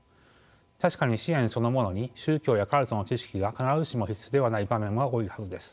確かに支援そのものに宗教やカルトの知識が必ずしも必須でない場面は多いはずです。